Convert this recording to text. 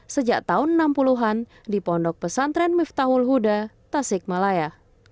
sejak tahun enam puluh an di pondok pesantren miftahul huda tasikmalaya